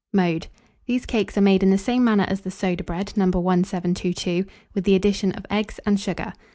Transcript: Mode. These cakes are made in the same manner as the soda bread No. 1722, with the addition of eggs and sugar.